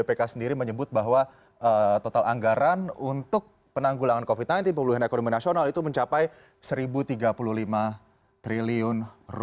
bpk sendiri menyebut bahwa total anggaran untuk penanggulangan covid sembilan belas pemulihan ekonomi nasional itu mencapai rp satu tiga puluh lima triliun